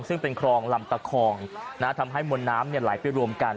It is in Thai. ซึ่งเป็นคลองลำตะคองทำให้มวลน้ำไหลไปรวมกัน